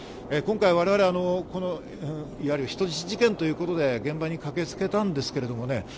今回我々、いわゆる人質事件ということで現場に駆けつけたんですけれどもね。